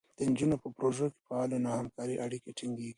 نجونې په پروژو کې فعالې وي، نو همکارۍ اړیکې ټینګېږي.